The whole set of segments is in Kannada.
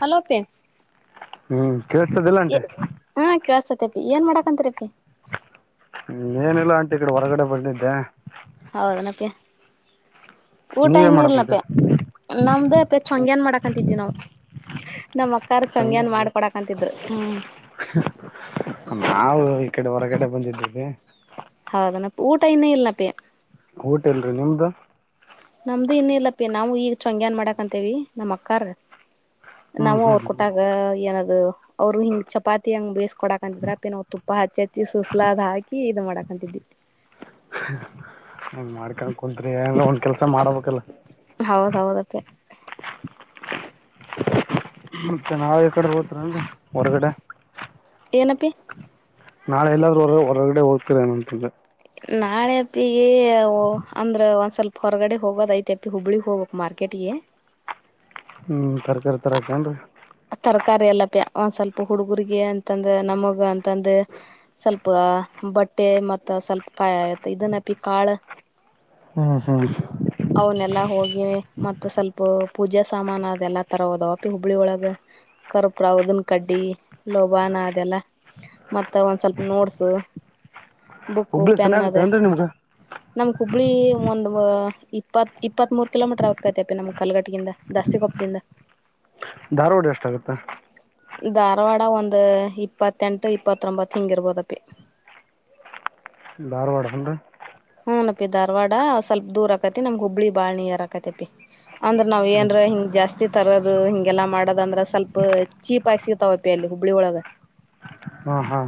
ಹಲೋ ಪೆ [inaudible] ಹ್ಮ್ ಕೇೇಳಸದಿಲ್ಲಂಟ ತಪಿ ಏನ್ ಮಾಡಕಂತ ರಪಿ ಏನಿಲ್ಲ ಆಂಟಿ ಈ ಕಡೆ ಹೊರಗಡೆ ಬರ್ದಿದ್ದೆ ಹೌದನಪ್ಯ ಊಟ ನೀವೇನ್ ಇನ್ನೂ ಮಾಡಕ್ ಇರ್ಲನಪ್ಯ ಕುಂತೀರಿ ನಮ್ದೇ ಅ ಪ ಶಂಗ್ಯನ್ ಮಾಡಕಂತಿದ್ವಿ ನಾವು ನಮ್ಮ್ ಅಕ್ಕಾರ್ ಸಂಜೆ ಚಂಗ್ಯನ್ ಅಂದ್ರೆ ಮಾಡ್ಕೊಡಕಂತಿದ್ರು ಹ್ಮ್ ನಾವು ಈ ಕಡೆ ಹೊರಗಡೆ ಬಂದಿದ್ದವಿ ಹೌದನಪ್ಪ ಊಟ ಇನ್ನೇ ಇಲ್ನಪೆ ಊಟೆಲ್ರೀ ನಿಮ್ದು ನಮ್ದು ಇನ್ ಇಲಪಿ ನಾವು ಈಗ ಚಂಗ್ಯನ್ ಮಾಡಕ ಅಂತೇವಿ ನಮ್ಮ್ ಅಕ್ಕಾರ್ ಹ್ಮ್ ನಾವವು ಹ್ಮ್ ಅವರು ಹ್ಮ್ ಕೊಟಾಗ ಏನದು ಅವ್ರು ಹಿಂಗ ಚಪಾತಿ ಹಂಗ ಬೇಸ್ ಕೊಡಾಕಂತಿದ್ರ ಪಿ ನ್ ತುಪ್ಪ ಹಚ್ಚಿ ಹಚ್ಚಿ ಸುಸ್ಲಾದ್ ಹಾಕಿ ಇದು ಮಾಡಾಕಂತಿದಿ ನೀನ್ ಮಾಡ್ಕೊಂಡ ಕೊಂತ್ರು ಏನ್ ಒಂದ್ ಕೆಲ್ಸ ಮಾಡಬೇಕಲ್ಲ ಹೌದೌದತ್ತೆ [inaudible] ಮತ್ತೆ ನಾವ ಈ ಕಡೆ ಹೋಗತ್ರನ್ಗೆ ಹೊರಗಡೆ ಏನಪ್ಪಿ [inaudible] ಹೊರಗಡೆೋಗತರ ಏನ ಅಂತೆ ನಾಳೆ ಅಪ್ಪಿಗೆ ಅಂದ್ರೆ ಒಂದ್ ಸ್ವಲ್ಪ ಹೊರಗಡೆ ಹೋಗೋದ ಐತೆ ಅಪ್ಪಿ ಹುಬ್ಬಳಿಗ್ ಹೋಗ್ಬೇಕಕ್ ಮಾರ್ಕೆಟ್ಗೆ ಹ [inaudible] ಹ್ಮ್ ತರಕಾರಿ ತರಕಏನ್ರಿ ತರಕಾರಿ ಎಲ್ಲ ಪ್ಯಾ ಒಂದ್ ಸ್ವಲ್ಪ ಹುಡುಗರಿಗೆ ಅಂತಂದ ನಮಗ ಅಂತಂದ ಸ್ವಲ್ಪ ಬಟ್ಟೆ ಮತ್ತ ಸ್ವಲ್ಪ ಇದನ್ನಪಿ ಕಾಳ ಹ್ಮ್ ಹ್ಮ್ [unintelligible] ಅವನ್ಲ್ಲ ಹೋಗಿ ಮತ್ತೆ ಸ್ವಲ್ಪ ಪೂಜೆ ಸಾಮಾನ ಅದೆಲ್ಲಾ ತರ ಹೋದಾವ ಪಿ ಹುಬ್ಬಳಿ ಒಳಗ ಕರ್ಪ್ರ ಅದನ್ ಕಡ್ಡಿ ಲೋಭಾನ ಅದೆಲ್ಲ ಮತ್ತ ಒಂದ್ ಸ್ವಲ್ಪ ನೋಡ್ಸು ಬುಕ್ ಉ ಹುಬ್ಳಿ ಸನಿ ಆಗುತ್ತೆ ಪೆನ್ದ ಏನ್ರಿ ನಿಮ್ಗೆ ನಮ್ ಹಬ್ಳಿ ಒಂದ್ ಇಪ್ಪತ್ ಇಪ್ಪತ್ ಮೂರು ಕಿಲೋಮೀಟರ್ ಆಗ್ಕೈತೆಪ ನಮ್ ಕಲ್ಗಟ್ಟಗಿಂದ ದಸ್ತಿಿಕೊಪ್ಪದಿಂದ [inaudible] ಧಾರ್ವಾಡ ಎಷ್ಟ ಆಗುತ್ತೆ ಧಾರವಾಡ ಒಂದ್ ಇಪ್ಪತ್ತೆಂಟು ಇಪ್ಪತ್ತೊಂಬತ್ತು ಹಿಂಗ ಇರ್ಬೋದಪ್ಪಿ ಹ [inaudible] ಬಾರವಾಡ ಹ್ರ [inaudible] ನನ್ಪಿ ಧಾರ್ವಾಡ ಸ್ವಲ್ಪ ದೂರ ಆಕತಿ ನಮಗ್ ಹುಬ್ಳಿ ಬಾಳ್ ನೀಿಯರ್ ಆಕತಪಿ ಅಂದ್ರ ನಾವ ಹ್ಮ್ ಏನ್ರ ಹಿಂಗಗೆ ಜಾಸ್ತಿ ಜಸ್ತಿ ತರೋದು ಹಿಂಗೆಲ್ಲಾ ಮಾಡದಂದ್ರ ಸ್ವಲ್ಪ ಚೀಪ್ ಆಗಿ ಸಿಗತಾವಪಿ ಅಲ್ಲಿ ಹುಬ್ಬಳಿ ಒೊಳಗ ಹಾ ಹಾ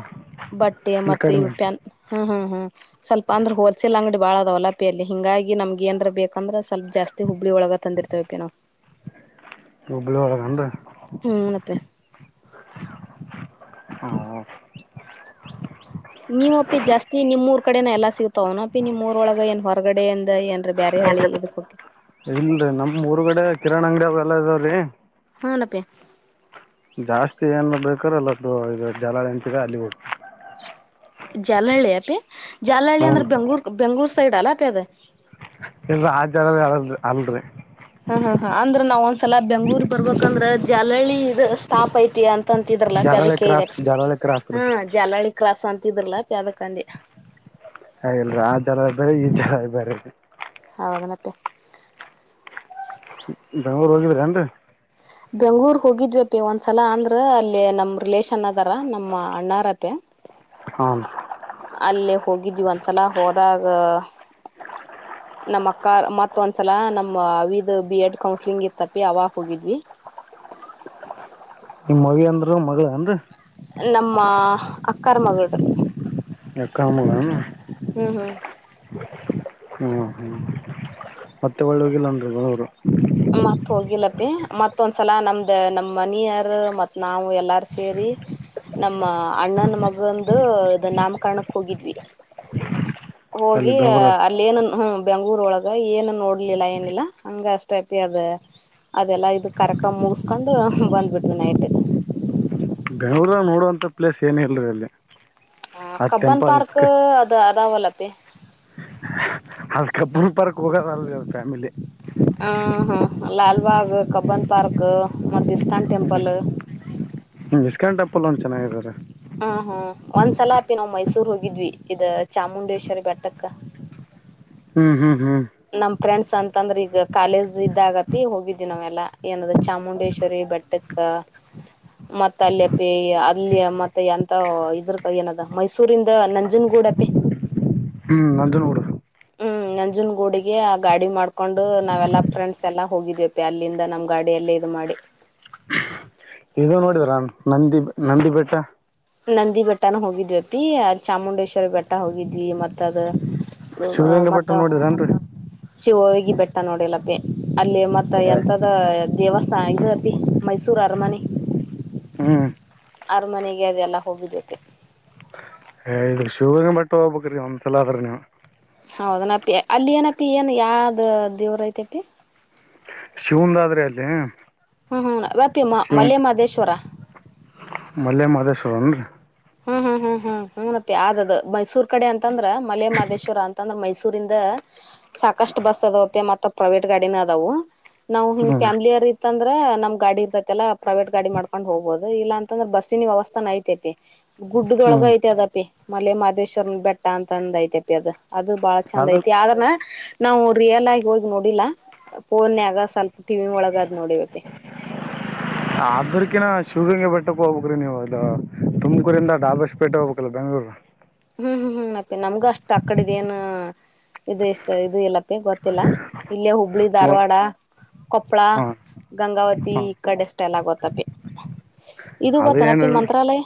ಬಟ್ಟೆ ಇಲ್ಲಿ ಮತ್ತೆ ಇವು ಕಡಿಮೆ ಪ್ಯಾನ್ ಹ್ಮ ಹ್ಮ್ ಹ್ಮ್ ಸ್ವಲ್ಪ ಅಂದ್ರೆ ಹದ ಸಲ್ ಅಂಗಡಿ ಬಾಳ ಅವ್ಲ್ಲ ಪಪಿಯಲ್ಲಿ ಹಿಂಗಾಗಿ ನಮ್ಗ ಏಾರ ಬೇಕಂದ್ರ ಸ್ವಲ್ಪ್ ಜಾಸ್ತಿ ಹುಬ್ಳಿ ಒಳಗ ತಂದಿರ್ತವೆವ ಪಿ ನಾವು ಹ [inaudible] ಗಬ್ಬಲ ಹಳ ಕಂಡ [inaudible] ಹ್ಮನಪ್ಪೆ [inaudible] ಹಾ ನೀವ ಅಪ್ಪಿ ಜಾಸ್ತಿ ನಿಮ್ೂಊರ್ ಕಡೆನ ಎಲ್ಲಾ ಸಿಗತಾವನಪಿ ನಿಮ್ೂರೊಳಗ ಏನ್ ಹೊರಗಡೆ ಅಂದ ಏನ್ರೀ ಬೇರೆ [inaudible] ಹೇಳಳಿ ಇದಕ್ಕೊಕೆ ಇಲ್ರಿ ನಮ್ ಊರ್ಗಡೆ ಕಿರಣ್ ಅಂಗಡಿಯ ಅವಾಗೆಲ್ಲ ಇದಾವ್ರೀ ಹ ಅಪೇ ಜಾಸ್ತಿ ಏನ ಬೇಕಾರ ಅಲ್ಲ ಈ ಜಲಾಳಯಂತಿದೆ ಅಲ್ಲಿ ಹೋಗತು ಜಾಲಹಳ್ಳಿ ಅಪಿ ಜಾಲಹಳ್ಳಿ ಹ್ಞೂ ಅಂದ್ರೆ ರೀ ಬೆಂಗಳೂರ್ ಬೆಂಗ್ಳೂರ್ ಸೈಡ್ ಅಲ್ಲ ಅಪಿ ಅದ ಇಲ್ ಆರ ಹೇಳ ಅಲ್ರರಿ ಹಾ ಹಾ ಹಾ ಅಂದ್ರೆ ನಾವ್ ಒಂದ್ಸಲ ಬೆಂಗಳೂರ್ ಬರ್ಬೇಕ ಅಂದ್ರೆ ಜಲಳ್ಳಿ ಇ ಸ್ಟಾಪ್ ಐತಿ ಅಂತ ಅಂತಿದ್ರಲ್ಲ ಜಲಾಳಿ ಅದಕ್ಕೆದೆ ಕ್ರಾಸ್ ಜಲಾಳಿ ಕ್ರಾಸ್ ರೀ ಹಾ ಜಲಳಿ ಕ್ರಾಸ ಅಂತಿದ್ರಲ ಪ್ಯದಕಂಡಿ ಹಾಗಲ್ರ ಆ ಜರ ಬೇರ ಈ ಜರ ಬೇರ ಹ ಅದನತ್ತೆ ನೂರು ರೋಗಿರಂಡ ಬೆಂಗ್ಳೂರ್ ಹೋಗಿದ್ವಿಪಿ ಒಂದ್ಸಲ ಅಂದ್ರ ಅಲ್ಲಿ ನಮ ರಿಲೇಶನ್ ಅದಾರ ನಮ್ಮ ಅಣ್ಣಾರತೆೆ ಹಾಂ ಅಲ್ಲೇ ಹೋಗಿದ್ವಿ ಒಂದ್ಸಲ ಹೋದಾಗ ನಮ್ ಅಕ್ಕ ಮತ್ ಒಂದ್ಸಲ ನಮ್ಮ್ ಅವಿದ್ ಬಿ ಎಡ್ ಕೌನ್ಸ್ಲಿಂಗ್ ಇತ್ತಪಿ ಅವ ಹೋಗಿದ್ವಿ ಹ [inaudible] ನಿಮ್ ಮಗ ಅಂದ್ರ ಮಗ ಅನ್ ನಮ್ಮ ಅಕ್ಕಾರ ಮಗಳು ಎ ಕಾಮಗ ಹ್ಮ್ ಹ್ಮ್ ಹ್ಮ್ ಹ್ಮ್ ಮತ್ತೆ ಒಳ್ಳೋಗಿಲ್ಲನ [inaudible] ಮತ್ ಹೋಗಿಲ್ಲಪ್ಪಿ ಮತ್ತೊಂದ್ಸಲ ನಮ್ದ ನಮ್ಮ ಮನಿಯರು ಮತ್ತು ನಾವು ಎಲ್ಲರ ಸೇರಿ ನಮ್ಮ ಅಣ್ಣನ ಮಗಂದು ಇದ ನಾಮಕರಣಕ್ ಹೋಗಿದ್ವಿ ಅಲ್ಲಿ ಹೋಗಿ ಬೆಂಗ್ಳೂರು ಅಲ್ಲ ಏನನ್ ಹ ಬೆಂಗಳೂರ್ ಒಳಗ ಏನನ್ ನೋಡ್ಲಿಲ್ಲ ಏನಿಲ್ಲಾ ಹಂಗ ಅಷ್ಟ ಪಿ ಅದ ಅದೆಲ್ಲಾ ಇದು ಕರಕ್ ಮುಗಿಸಕೊಂಡು ಬಂದ್ಬಿಡ್ವಿ ನೈಟ್ ಛೂಓಖ [inaudible] ನೋಡಂತ ಪ್ಲೇಸ್ ಏನ್ ಇಲ್ರರಿ ಅಲ್ಲಿ ಹ ಆ ಕಬ್ಬನ್ ಟೆಂಪಲ್ ಪಾರ್ಕ್ ಇಸ್ಕ ಅದ ಅದಾವಲ್ಲತ್ತ ಅಲ್ಕುಲ್ ಪರ್ಕ್ ಹೋಗದ ಅಲ್ ಫ್ಯಾಮಿಲಿ ಆ ಹಾ ಲಾಲ್ಬಾಗ್ ಕಬ್ಬನ್ ಪಾರ್ಕ್ ಮ ಇಸ್ಕಾನ್ ಟೆಂಪಲ್ ಇಸ್ಕಾನ್ ಟೆಂಪಲ್ ಒಂದು ಚೆನ್ನಾಗಿದ ರೀ ಹಾ ಹ್ಮ ಒಂದ್ಸಲ ಅಪಿ ನಾವ್ ಮೈಸೂರ್ ಹೋಗಿದ್ವಿ ಇದ ಚಾಮುಂಡೇಶ್ವರಿ ಬೆಟ್ಟಕ್ಕ ಊಅ [inaudible] ಹ್ಮ್ ಹ್ಮ್ ಹ್ಮ್ ನಮ್ ಫ್ರೆಂಡ್ಸ್ ಅಂತಂದ್ರೆ ಈಗ ಕಾಲೇಜ್ ಇದಾಗತಿ ಹೋಗಿದ್ವಿ ನಾವೆಲ್ಲಾ ಏನಾದ ಚಾಮುಂಡೇಶ್ವರಿ ಬಟ್ಟಕ ಮತ್ತ ಅಲ್ಲಿ ಪಿ ಅಲ್ಲಿಯ ಮತ್ತೆ ಎಂತ ಇದ್ರ ಏನದ ಮೈಸೂರಿಂದ ನಂಜನ್ಗೂ ಗೂಡಪಿ [inaudible] ಹ್ಮ್ ನಂದು ನೋಡು ಹ್ಮ್ ನಂಜುನ್ ಗೂಡಿಗೆ ಆ ಗಾಡಿ ಮಾಡ್ಕೊಂಡು ನಾವೆಲ್ಲಾ ಫ್ರೆಂಡ್ಸ್ ಎಲ್ಲಾ ಹೋಗಿದೀವಪ್ಪ ಅಲ್ಲಿಂದ ನಮ್ ಗಾಡಿ ಎಲ್ಲ ಇದು ಮಾಡಿ ಇದು ನೋಡಿದರಾ ನಂದಿ ನಂದಿ ಬಬೆಟ್ಟ ನಂದಿ ಬೆಟ್ಟನ ಹೋಗಿದ್ವಿ ಅಪ್ಪಿ ಅ ಚಾಮುಂಡೇಶ್ವರಿ ಬೆಟ್ಟ ಹೋಗಿದ್ವಿ ಮತ್ತ ಅದ ಶಿವಗಂಗಾ ಬೆಟ್ಟ ಮತ್ತ ನೋಡಿದ್ರನ್ರಿ ಶಿವಗಿ ಬೆಟ್ಟ ನೋಡಿಲಪಿ ಅಲ್ಲಿ ಮತ್ತ ಎಂತದ ದೇವಸ್ಥಾನ ಅಪಿ ಮೈಸೂರು ಮೈ ಅರಮನೆ ಹ್ಮ ಅರಮನೆಗೆ ಅದೆಲ್ಲ ಹೋಗಿದ್ದಕ್ಕೆ ಶೂ ಪಟ್ಟಬ ಮನಸ್ಸಲಾದ ಹೌದನಪ್ಪಿ ಅಲ್ಲಿ ಏನಪಿ ಏನ್ ಯಾವ್ದ ದೇವ್ರ ಐತೆಪಿ ಶಿವಂದಾದ್ರೆ ಅಲ್ಲಿ ಹ್ಮ್ ಹ್ಮ ವ್ಯಾಪಿ ಮ ಶಿವಂ ಮಲೆ ಮಹದೇಶ್ವರ ಮಲ್ಲೆ ಮಾಹದೇಶ್ವರನ್ರರಿ ಹ್ಮ ಹಾ ಹ್ ಹ್ಮ್ ಹ್ಮಪ್ಪ ಯಾವ್ದದ್ ಮೈಸೂರ್ ಕಡೆ ಅಂತಂದ್ರ ಮಲೆ ಮಹದೇಶ್ವರ ಅಂತಂದ್ರ ಮೈಸೂರಿಂದ ಸಾಕಷ್ಟು ಬಸ್ ಅದಾವ ಮ ಪ್ರೈವೇಟ್ ಗಾಡಿನ ಅದಾವವು ನಾವವು ಹಿಂಗ ಹ್ಮ್ ಫ್ಯಾಮಿಲಿ ಯ ಅಂತಂದ್ರೆ ನಮ್ ಗಾಡಿ ಇರ್ತೈತೆಲ್ಲ ಪ್ರೈವೇಟ್ ಗಾಡಿ ಮಾಡ್ಕೊಂಡ್ ಹೋಗಬಹುದು ಇಲ್ಲ ಅಂದ್ರೆ ಬಸ್ಸಿನ ವ್ಯವಸ್ಥಾನಾ ಐತೆತಿ ಗುಡ್ಡದೊಳಗ ಹ್ಮ್ ಐತಿ ಅದಪಿ ಮಲೆ ಮಾಹದೇಶ್ವರನ ಬೆಟ್ಟ ಅಂತ ಅಂದ ಐತಪಿ ಅದ ಅದು ಬಹಳ ಚಂದ ಅದ್ರ ಐತಿ ಆದ್ರನ ನಾವು ರಿಯಲ್ ಆಗಿ ಹೋಗಿ ನೋಡಿಲ್ಲ ಫೋನ್ ಯಯಗ ಸ್ವಲ್ಪ ಟಿವ ಒಳಗದ್ ನೋಡಿವತಿ [inaudible] ಆದ್ರಕಿನ ಶಿವಗಂಗೆ ಬೆಟ್ಟಕ್ಕೆ ಹೋಗ್ಬೇಕಕ್ ನೀವು ಅದು ತುಮಕೂರಿಂದ ಡಾಬಸ್ಪೇಟೆ ಹೋಗಬೇಕಕ್ಲ್ಲ ಬಂಗ ಹ್ೂ ರ [inaudible] ಹ್ಮ್ ಹ್ಮ್ ಹ್ಮ್ ಅಪಿ ನಮ್ಗ ಅಷ್ಟ್ ಅಕಡದ ಏನು ಇ ಇಷ್ಟ ಇದು ಇಲ್ಲಪ್ಪಿ ಗೊತ್ತಿಲ್ಲ ಇಲ್ಲೇ ಹುಬ್ಬಳಿ ಧಾರವಾಡ ಕೊಪ್ಪಳ ಹಾ ಗಂಗಾವತಿ ಹಾ ಈ ಕಡೆ ಸ್ಟೈಲ್ ಆಗೋತ್ತ ಪಿ ಇದು ಗೋ ಅದು ಏನು ತನಪಿ ಮಂತ್ರಾಲಯ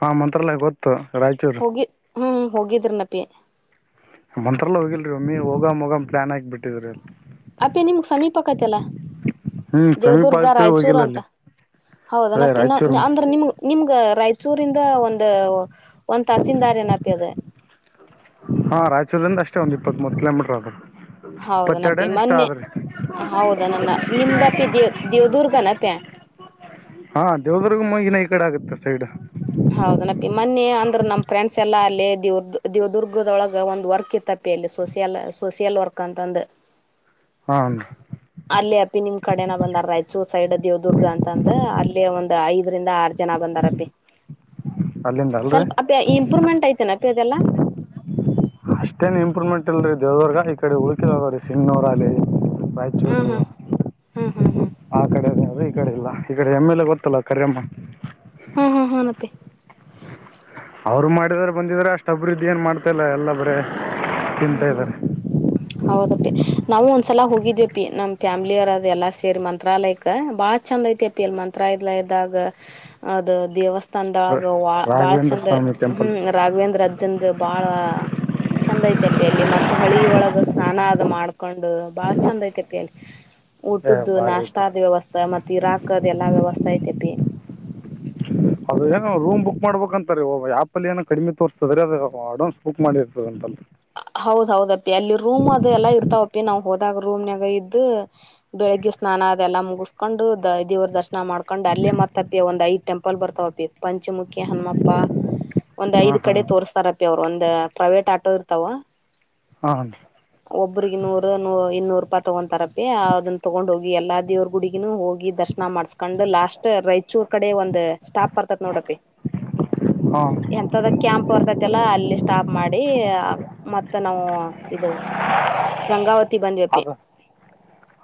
ಹಾ ಮಂತ್ರಾಲಯ ಗೊತ್ತು ರಾಯಚೂರು ಹೋಗಿ ಹ್ಮ್ ಹೋಗಿದ್ರಿ ನಪಿ ಮಂತ್ರಲ್ಲ ಹೋಗಿಲ್ರರಿ ಒಮ್ಮಿ ಹೋಗ ಹೋಗ್ ಪ್ಲಾನ್ ಹಾಕಿಬ ಬಿಟ್ಟಿದ್ರಿ ಅಲ್ಲಿ ಸಮೀಪಕಥಲ್ಲ ಹ್ಮ್ ಸಮೀಪ ದೇವದುರ್ಗ ಆಗ್ತರಿ ರಾಯಚೂರು ಹೋಗಿಲ್ಲ ಅಂತ ಅಲ್ಲಿ ಹೌದನ ಅದೇ ಪ ರಾಯಚೂರು ಅಂದ್ರೆ ನಿಮ್ ನಿಮ್ ರಾಯಚೂರಿಂದ ಒಂದು ಒಂದ್ ತಸೀ ದಾರ್ ಏನಪ್ಯದೆ ಹಾ ರಾಯಚೂರಿಂದ ದ ಅಷ್ಟೇ ಒಂದ ಇಪ್ಪತ್ ಕಿೋೀಟರ್ ಅದದು ಹೌದನಪಿ ಮೊನ್ನೆ ಹೌದ ನನ್ನ ನಿಮ್ದಪ್ಪಿ ದೇವ ದೇವದುರ್ಗನಪೆ ಹ್ಮ ಹಾ ದೇವದುರ್ಗ ಮುಗಿನ ಈ ಕಡೆ ಆಗುತ್ತೆ ಸೈಡ್ ಹೌದನಪ್ಪಿ ಮೊನ್ನೆ ಅಂದ್ರ ನಮ್ ಫ್ರೆಂಡ್ ಎಲ್ಲ ಅಲ್ಲೇ ದವ ದವದುರ್ಗದೊಳಗ ಒಂದ ವರ್ಕ್ ಇತ್ತಪಿ ಲ್ಲಿ ಸೋಷಿಯಲ್ ಸೋಷಿಯಲ್ ವರ್ಕ್ ಅಂತಂದು ಹಾ ಅಲ್ಲಿ ಅಪ್ಪಿ ನಿಮ್ ಕಡೆನ ಬಂದಾರ ರಾಯು ಸೈಡ್ ದೇವದುರ್ಗ ಅಂತ ಅಂದ ಅಲ್ಲಿ ಒಂದು ಐದರಿಂದ ಆರು ಜನ ಬಂದಾರ ಅಲ್ಲಿಂದ ಅಲ್ರಿ ಸ್ವಲ್ಪ ಅಪ್ಪಿ ಇಂಪ್ರೂವ್ಮೆಂಟ್ ಐತನಪ ಅದೆಲ್ಲ ಅಷ್ಟೇನ್ ಇಂಪ್ರೂವ್ಮೆಂಟ್ ಇಲ್ರಿ ದೇವದವರ್ಗ ಈ ಕಡೆ ಉಳುಕಿ ಅದಾವ್ರೀ ಸಿಂಗ್ವರ ಅಲ್ಲಿ ಹಾ ರಾಯಚೂರು ಹಾ ಹ್ಮ್ ಹ್ಮ್ ಹ್ಮ್ ಆ ಕಡೆ [inaudible] ರೆ ಈ ಕಡೆ ಇಲ್ಲ ಈ ಕಡೆ ಎಮ್ಮೆಲೆ ಗೊತ್ತಲ್ಲ ಕರಿಮ್ಮ ಹಾ ಹಾ ಹಾ ನತ್ತೆ [inaudible] ಅವ್ರು ಮಾಡಿದಾರ ಬಂದಿದ್ರ ಅಷ್ಟ್ ಅಭಿವೃದ್ಧಿ ಏನ್ ಮಾಡ್ತಲ್ಲ ಎಲ್ಲ ಬರೇ ಹ್ಮ್ ತಿಂತಾ ಇದ್ದಾರೆ ಹ್ಮ್ ಹೌದು ನಾವು ಒಂದ್ಸಲಾ ಹೋಗಿದ್ವಿ ಅಪ್ಪಿ ನಮ್ ಫ್ಯಾಮಿಲಿ ಅವರದ್ ಎಲ್ಲಾ ಸೇರಿ ಮಂತ್ರಾಲಯಕ್ ಬಹಳ ಚಂದ ಐತಿಪಿ ಎಲ್ ಮಂತ್ರ ಇಲ್ಲ ಇದಾಗ ಅದು ದೇವಸ್ಥ ತಂದಳಗ ಬಾಳ ರಾಘವೇಂದ್ರ ಚಂದ ಸ್ವಾಮಿ ಟೆಂಪಲ್ ಹ್ಮ್ ರಾಘವೇಂದ್ರ ಚಂದ ಬಾಳ ಚಂದ ಐತೆ ಅಲ್ಲಿ ಮತ್ತ ಹೊಳಿಳಗ ಸ್ನಾನ ಅದ ಮಾಡ್ಕೊಂಡು ಬಾಳ ಚಂದ ಐತೆ ಪ ಅಲ್ಲಿ ಏ ಊಟದು ಭಾರಿ ನಾಷ್ಟ ಐತೆ ಆದ ವ್ಯವಸ್ಥೆ ಮತ್ತ ಇರಾಕದ ಎಲ್ಲಾ ವ್ಯವಸ್ಥೆ ಐತೆಪಿ ಅದು ರೂಮ್ ಬುಕ್ ಮಾಡಬೇಕಕ್ಂತಾರೆ ಆ್ಯಪ ಅ ಏ ಕಡಿಮೆ ತೋರ್ತದೆ ಅದು ಅಡ್ವಾನ್ಸ್ ಬುಕ್ ಮಾಡಿರ್ತದ ಅಂತ ಹೌದ ಹೌದಪ್ಪಿ ಅಲ್ಲಿ ರೂಮ್ ಅದು ಎಲ್ಲಾ ಇರ್ತಾವಪಿ ನಾವು ಹೋದಾಗ ರೂಮ್ ನಾಗ ಇದ್ದು ಬೆಳಿಗ್ಗೆ ಸ್ನಾನ ಅದೆಲ್ಲಾ ಮುಗಿಸ್ಕೊಂಡು ದ ದೇವ್ರ ದರ್ಶನ ಮಾಡ್ಕೊಂಡ್ ಅಲ್ಲೇ ಮತ್ತಪ್ಪಿ ಒ್ ಐದು ಟೆಂಪಲ್ ಬರ್ತಾವಪ್ಪಿ ಪಂಚಮುತಿ ಹಣಮ್ಮಪ್ಪಾ ಒಂದ್ ಹಾ ಐದ್ ಹಾ ಕಡೆ ತೋರ್ಸ್ತಾರಪ್ಪಿ ಅವ್ರು ಒಂದ್ ಪ್ರೈವೇಟ್ ಆಟೋ ಇರ್ತಾವ ಹಾ ಒಬ್ರಿಗೆ ನೂರು ನೂ ಇನ್ನೂರು ತಗೊತಾರಪ್ಪ ಅದನ್ನ ತಗೊಂಡ ಹೋಗಿ ಎಲ್ಲಾ ದೇವ್ರ ಗುಡಿಗಿನೂ ಹೋಗಿ ದರ್ಶನ ಮಾಡ್ಸ್ಕೊಂಡ್ ಲಾಸ್ಟ್ ರಾಯಚೂರ್ ಕಡೆ ಒಂದ್ ಸ್ಟಾಪ್ ಬರ್ತತ್ ನೋಡಪಿ ಹಾ ಎಂತದ ಕ್ಯಾಂಪ್ ಬರ್ತೈತಿಲ್ಲ ಅಲ್ಲಿ ಸ್ಟಾಪ್ ಮಾಡಿ ಮತ್ತೆ ನಾವು ಇದು ಗಂಗಾವತಿ ಬಂದ್ವಪ್ಪಿ ಅದು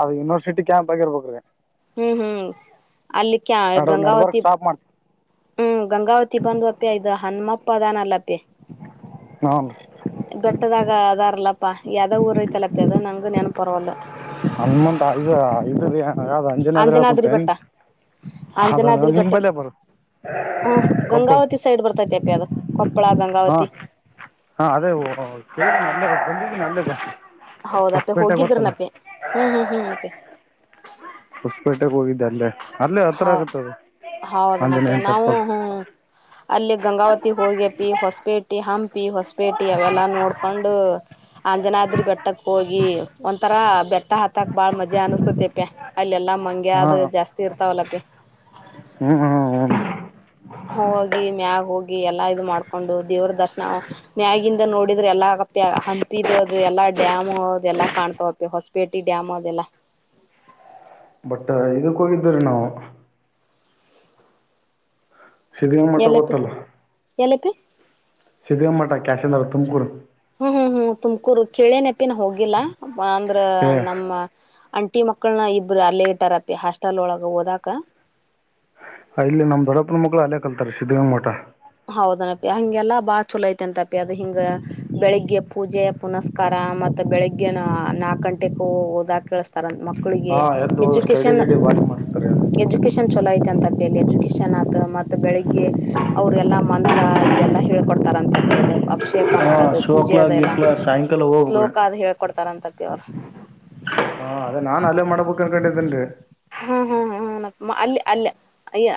ಅದು ಯೂನಿವರ್ಸಿಟಿ ಕ್ಯಾಂಪ ಆಗಿ ಇರ್ಬೇಕ್ರೀ [inaudible] ಹ್ಮ್ ಹ್ಮ್ ಅಲ್ಲಿ ಕ ನಡ ನಡ್ಬರ್ಕ್ ಗಂಗಾವತಿ ಸ್ಟಾಪ್ ಮಾಡ್ತ ಹ್ಮ್ ಗಂಗಾವತಿ ಬಂದ್ ಅಪ್ಪ್ಯ ಇದು ಹನುಮಪ್ಪ ಅದಾನಲ್ಲ ಹಾ ಬೆಟ್ಟದಾಗ ಅದಾರಲ್ಲ [inaudible] ಅಪ್ಪಾ ಯಾವ ಊರ ತಪಿಯದ ನಂಗೆ ನೆನಪರವಾಗಿಲ್ಲ ಹನುಮಂತ ಇದು ಇದು ರೀ ಯಾವ್ದ ಅಂಜನಾದ್ರ ಹೇಳಳ್ ಕುಂಟ್ರ ಆಂಜನಾದ್ರಿ ಬೆಟ್ಟ ಹ ಕೊಪ್ಪಳ ಗಂಗಾವತಿ ಸೈಡ್ ಬರ್ತೈತಿ ಅಪ್ಪೆ ಅದು ಕೊಪ್ಪಳ ಹಾ ಗಂಗಾವತಿ ಹಾ ಅದೇ ಕ ನ ಬಂದಿದ್ದ ನಲ್ಲದ [inaudible] ಹೌದಪ್ಪೆ ಹೋಗಿದ್ರನಪೆ ಹ್ಮ್ ಹ್ಮ್ ಹ್ಮ್ಪೆ ಗ ಗಲ್ಲ [inaudible] ಹೌ ಹೌದನಪ್ಪೆ ಆಂಜನೇಯನ ನಾವು ಟೆಂಪಲ್ ಹ್ಮ ಅಲ್ಲಿ ಗಂಗಾವತಿ ಹೋಗಿ ಹ ಪಿ ಹೊಸಪೇಟಿ ಹಂಪಿ ಹೊಸಪೇಟಿ ಅವೆಲ್ಲ ನೋಡ್ಕೊಂಡು ಅಂಜನ ಆದ್ರಿ ಬೆಟ್ಟಕ್ ಹೋಗಿ ಒಂಂತರಾ ಬೆಟ್ಟ ಹಾತ್ತಾಕ್ ಬಾಳ್ ಮಜಾ ಅನಿಸತತಿಪ ಅಲ್ಲೆಲ್ಲಾ ಮಂಗೆ ಹಾ ಅದು ಜಾಸ್ತಿ ಇರ್ತಾವಲಕ ಹ್ಮ್ ಹ್ಮ್ ಹ್ಮ ಹ ಹೋಗಿ ಮ್ಯಾಗ್ ಹೋಗಿ ಎಲ್ಲಾ ಇದು ಮಾಡ್ಕೊಂಡು ದೇವ್ರ ದರ್ಶನ ಮ್ಯಾಗಿಿಂದ ನೋಡಿದ್ರೆ ಎಲ್ಲಾ ಹಂಪಿದು ಅದು ಎಲ್ಲಾ ಡ್ಯಾಮ್ ಅದೆ ಎಲ್ಲಾ ಕಾಣ್ತವಪ್ಪಿ ಹೊಸಪೇಟೆ ಡ್ಯಾಮ್ ಅದೆಲ್ಲಾ [inaudible] ಬಟ್ ಇದಕ್ ಹೋಗಿದ್ದೀರೀ ನಾವು ಸಿದ್ಧಾಂಗಾಂಗ ಮಠ ಗೊತ್ತಲ್ಲ ಎಲೆಪಿ [inaudible] ಸಿದ್ಧಾಂಗಾಂಗ ಮಠ ಕ್ಯಾಶಂದ ತುಮಕೂರು ಹ್ಮ್ ಹ್ಮ್ ಹ್ಮ್ ತುಮಕೂರು ಕೇಳೇ ನೆಪಿನ ಹೋಗಿಲ್ಲ ಅಂದ್ರ ಹೇ ನಮ್ಮ ಅಂಟಿ ಮಕ್ಕಳನ ಇಬರು ಅಲ್ಲೇಗೆಟ್ಟರತಿಿ ಹಾಸ್ಟೆಲ್ ಒಳಗ ಹೋದಕ ಅಲ್ಲಿ ನಮದೊಡ್ಡಪ್ಪನ್ ಮಕ್ಳು ಅಲ್ಲೇ ಕಲ್ತಾರೆ ಶ್ರ್ಧೇಂಗ ಮಠ ಹೌದನಪ್ಪಿ ಹಂಗೆಲ್ಲಾ ಬಾಳ ಚಲೋ ಐತೆ ಅಂತಪಿ ಅದ ಹಿಂಗ ಬೆಳಿಗ್ಗೆ ಪೂಜೆ ಪುನಸ್ಕಾರ ಮತ್ತೆ ಬೆಳಿಗ್ಗೆ ನಾಕ ಗಂಟೆಗ ಹೋದಾಗ ಕೇಳತ ಮಕ್ಕಳಿಗೆ ಹಾ ಎದ್ದು ಸ್ಟಡಿ ಎಜುಕೇಶನ್ ಗಿಡಿ ಬಾರಿ ಮಾಡಿಸ್ತಾರೆ ಅದು ಎಜುಕೇಶನ್ ಚಲೋ ಐತೆ ಅಂತ ಮೇಲೆ ಎಜುಕೇಶನ್ ಆತ ಮತ್ತೆ ಬೆಳಿಗ್ಗೆ ಅವ್ರಲ್ಲಾ ಮಂತ್ರ ಇವೆಲ್ಲ ಹೇಳ್ಕೊಡ್ತಾರಂತ ಅದು ಅಭಿಷೇಕ ಹಾ ಮಾಡೋದು ಪೂಜೆ ಶಿವಕ್ಲ ಅದೆಲ್ಲ ಗಿಕ್ಲ ಸಾಯಂಕಾಲ ಹೋಗ್ಬೇಕ್ರಿ ಶ್ಲೋಕ ಅದು ಹೇಕೊಡ್ತಾರಂತಪ್ಪಿ ಅವರು ಹಾ ಅದೇ ನಾನ್ ಅಲ್ಲೇ ಮಾಡ್ಬೇಕುಕ್ ಅನ್ಕೊಂಡಿದ್ದೇನ್ರರಿ ಹ್ಮ್ ಹ್ಮ್ ಹ್ಮ ಹ್ಮ ಅಲ್ಲಿ ಅಲ್ಲ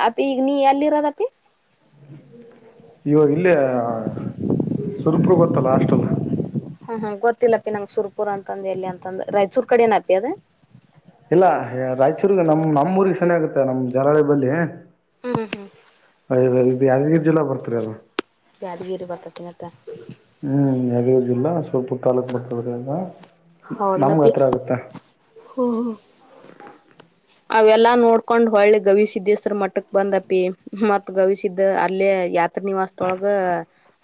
ಅಪಿ ಈಗ ನೀ ಎಲ್ಲಿ ಇರೋದಪಿ ಇವಾಗ ಇಲ್ಲಿ ಸುರಪರು ಗೊತ್ತಲ್ಲ ಅಷ್ಟಲ್ಲ ಹ್ಮ್ ಹ್ಮ ಗೊತ್ತಿಲ್ಲಪ್ಪಿ ನಂಗ್ ಸುರ್ಪುರ್ ಅಂತಂದ ಎಲ್ಲಿ ಅಂತಂದ ರಾಯಚೂರ್ ಕಡೆ ಏನಪಿ ಅದ ಇಲ್ಲ ರಾಯಚೂರ್ಗ ನಮ್ ನಮ್ಮೂಊರಿಗೆ ಸೆನ ಆಗುತ್ತೆ ನಮ್ ಜಲಳಿ ಬಳಿ ಅ ಹ್ಮ್ ಹ್ಮ್ ಇ ಯಾದಗಿರಿ ಜಿಲ್ಲಾ ಬರ್ತರಿ ಅಲ್ಲ ಯಾದಗಿರಿ ಬರ್ತ ತಿನತ್ತ ಹ್ಮ್ ಯಗದಿಲ್ಲ ಸ್ವಲ್ಪ ತಾಾಲೂಕ್ ಬರ್ತದ್ರಲ್ಲ ಹೌದನ ಪಿ ಹ್ಮ [inaudible] ಅವೆಲ್ಲಾ ನೋಡ್ಕೊಂಡ್ ಹೊಳ್ಳೆ ಗವಿಸಿದ್ದೇಸ್ರ ಮಟ್ಟಕ್ ಬಂದಪಿ ಮತ್ ಗವಿಸಿದ್ದ ಅಲ್ಲೇ ಯ ಹತ್ರ ನಿವಾಸದೊಳಗ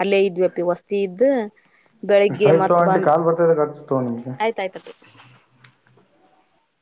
ಅಲ್ಲೇ ಇದ್ವೆಪಿ ವಸ್ತಿ ಇದ್ದ ಬೆಳಿಗ್ಗೆ ಸಹತ ಮತ್ ಆಂಟಿ ಬಂದ್ ಕಾಲು ಬರ್ತದ ಖರ್ಚುತ ನಿಮಗೆ [inaudible]